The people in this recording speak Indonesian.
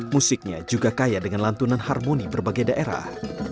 musiknya juga kaya dengan lantunan harmoni berbagai daerah